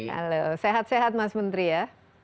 halo sehat sehat mas menteri ya